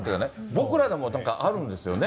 僕らでもあるんですよね。